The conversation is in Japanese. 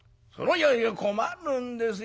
「いやいや困るんですよ。